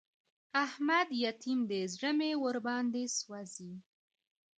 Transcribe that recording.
احمد يتيم دی؛ زړه مې ور باندې سوځي.